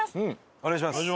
お願いします。